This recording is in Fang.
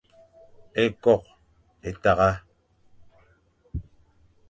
Ékôkh é tagha.